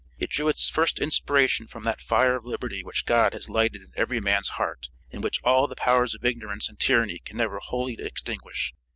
It drew its first inspiration from that fire of liberty which God has lighted in every man's heart, and which all the powers of ignorance and tyranny can never wholly extinguish.